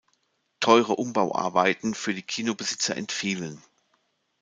Teure Umbauarbeiten für die Kinobesitzer entfielen.